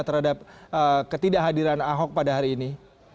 terhadap ketidakhadiran ahok pada hari ini